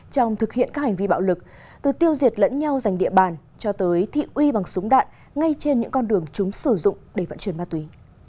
trong thực hiện các hành vi bạo lực từ tiêu diệt lẫn nhau dành địa bàn cho tới thị uy bằng súng đạn ngay trên những con đường chúng sử dụng để vận chuyển ma túy